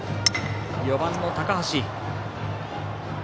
４番の高橋。